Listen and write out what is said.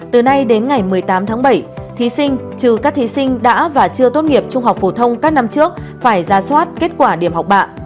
từ nay đến ngày một mươi tám tháng bảy thí sinh trừ các thí sinh đã và chưa tốt nghiệp trung học phổ thông các năm trước phải ra soát kết quả điểm học bạ